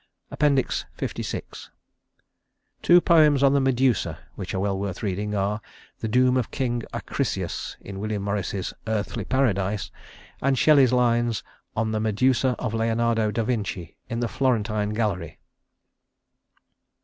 LVI Two poems on the Medusa which are well worth reading are "The Doom of King Acrisius" in William Morris's "Earthly Paradise," and Shelley's lines "On the Medusa of Leonardo Da Vinci in the Florentine Gallery."